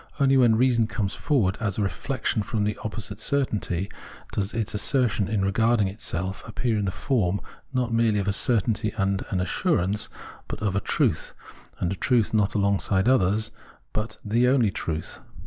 Only when reason comes forward as a reflexion from this opposite certainty, does its assertion regarding itself appear in the form not merely of a certainty and an assurance, but of a truth — and a truth not alongside others, but the only truth.